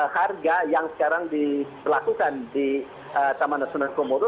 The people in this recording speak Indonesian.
harga yang sekarang dilakukan di taman nasional komodo